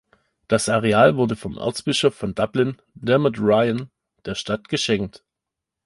Das Areal wurde vom Erzbischof von Dublin, Dermot Ryan, der Stadt geschenkt.